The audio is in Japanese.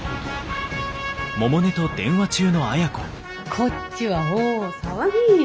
こっちは大騒ぎ。